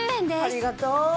ありがとう！